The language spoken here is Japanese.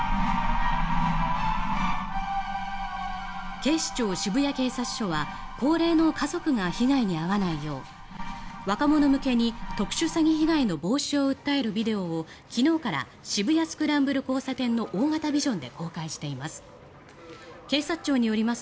警視庁渋谷警察署は高齢の家族が被害に遭わないよう若者向けに特殊詐欺被害の防止を訴えるビデオを昨日から渋谷・スクランブル交差点の大型ビジョンで公開しています。